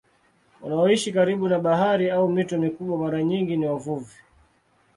Wanaoishi karibu na bahari au mito mikubwa mara nyingi ni wavuvi.